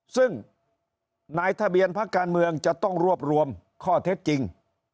ซึ่งนายทะเบียนพักการเมืองจะต้องรวบรวมข้อเท็จจริง